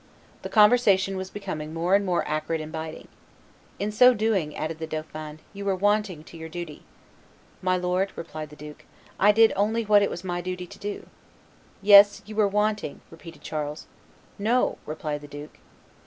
The conversation was becoming more and more acrid and biting. "In so doing," added the dauphin, "you were wanting to your duty." "My lord," replied the duke, "I did only what it was my duty to do." "Yes, you were wanting," repeated Charles. "No," replied the duke.